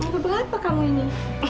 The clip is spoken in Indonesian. mau berapa kamu ini